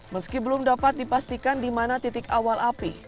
meski belum dapat dipastikan di mana titik awal api